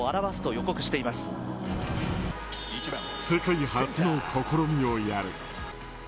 世界初の試みをやる。